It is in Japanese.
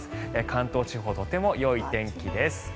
関東地方、とてもよい天気です。